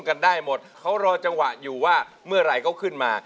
กันได้หมดเขารอจังหวะอยู่ว่าเมื่อไหร่เขาขึ้นมา